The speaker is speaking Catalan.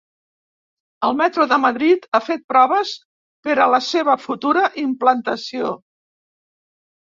El metro de Madrid ha fet proves per a la seva futura implantació.